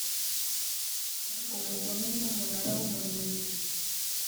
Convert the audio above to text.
ubugome Umunara w Umurinzi